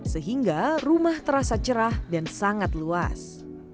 sehingga rumah terasa cerah dan sangat luas